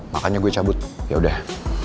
makanya gue cabut yaudah